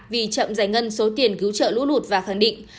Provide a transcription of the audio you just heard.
vì chậm giải ngân số tiền cứu trợ lũ lụt và khẳng định